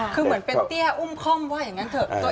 คือเหมือนเป็นเตี้ยอุ้มคล่อมว่าอย่างนั้นเถอะ